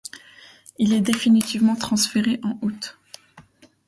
Il est définitivement transféré en août.